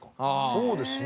そうですね。